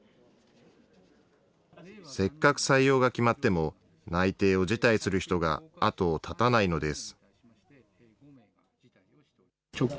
せっかく採用が決まっても、内定を辞退する人が後を絶たないのです。